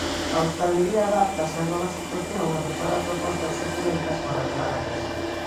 A hostalería adáptase á nova situación e prepara propostas suculentas para levar a casa.